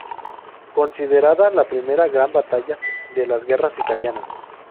Considerada la primera gran batalla de las guerras italianas.